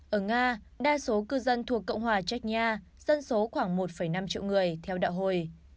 ở nga đa số cư dân thuộc cộng hòa chekyya dân số khoảng một năm triệu người theo đạo hồi